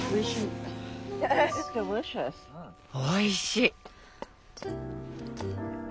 おいしい！